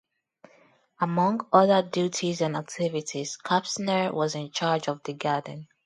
Among other duties and activities, Kapsner was in charge of the garden.